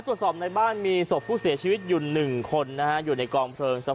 ตรวจสอบในบ้านมีศพผู้เสียชีวิตอยู่๑คนนะฮะอยู่ในกองเพลิง